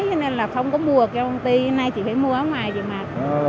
cho nên là không có mua cái công ty nay chị phải mua áo ngoài chị mặc